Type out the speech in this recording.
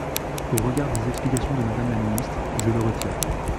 Au regard des explications de Madame la ministre, je le retire.